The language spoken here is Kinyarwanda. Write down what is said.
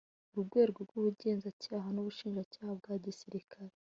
Urwego rw’ Ubugenzacyaha n’Ubushinjacyaha bwa Gisirikari